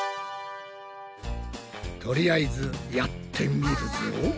とりあえずやってみるぞ。